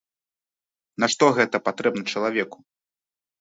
Нашто гэта патрэбна чалавеку!